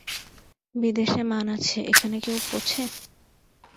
বিদেশে মান আছে, এখানে কেউ পোছে?